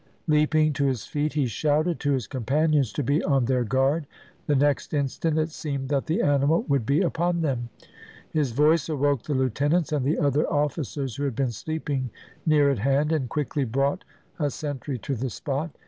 Leaping to his feet, he shouted to his companions to be on their guard; the next instant it seemed that the animal would be upon them. His voice awoke the lieutenants and the other officers who had been sleeping near at hand, and quickly brought a sentry to the spot.